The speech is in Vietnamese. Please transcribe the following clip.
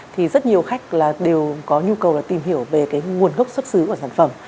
thì rất nhiều khách đều có nhu cầu tìm hiểu về nguồn gốc xuất xứ của sản phẩm